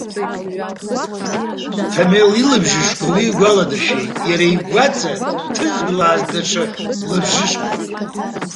Ҭамел илабжышқәа уи игәаладыршәеит, иара игәаҵа ҭызблааз даҽа лабжышқәак.